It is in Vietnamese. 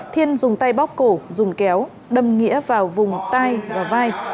thiên dùng tay bóc cổ dùng kéo đâm nghĩa vào vùng tai và vai